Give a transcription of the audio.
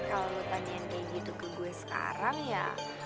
kalo lo tanyain kayak gitu ke gue sekarang ya